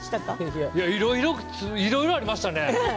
いろいろありましたね。